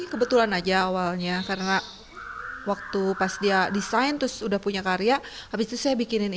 kebetulan aja awalnya karena waktu pas dia desain terus udah punya karya habis itu saya bikinin